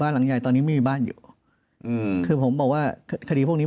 หลังใหญ่ตอนนี้ไม่มีบ้านอยู่อืมคือผมบอกว่าคดีพวกนี้